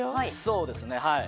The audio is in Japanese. そうですねはい。